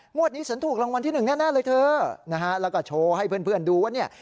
งวดนี้สนถูกรางวัลที่๑แน่เลยเธอแล้วก็โชว์ให้เพื่อนดูว่า